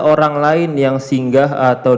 orang lain yang singgah atau